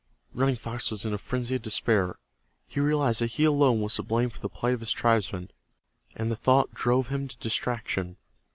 Running Fox was in a frenzy of despair. He realized that he alone was to blame for the plight of his tribesmen, and the thought drove him to distraction.